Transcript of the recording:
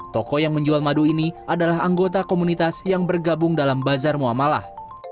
toko yang menjual madu ini adalah anggota komunitas yang bergabung dalam bazar muamalah